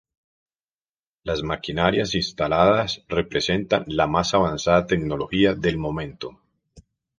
Las maquinarias instaladas representan la más avanzada tecnología del momento.